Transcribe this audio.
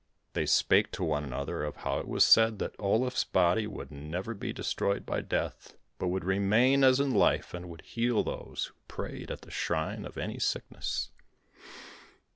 They spake to one another of how it was said that Olaf's body would never be destroyed by death, but would remain as in life and would heal those who prayed at the shrine of any sickness.